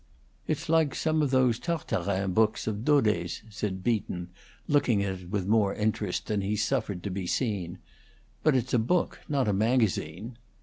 "It's like some of those Tartarin books of Daudet's," said Beacon, looking at it with more interest than he suffered to be seen. "But it's a book, not a magazine."